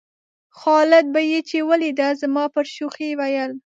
خالد به یې چې ولېده زما پر شوخۍ ویل.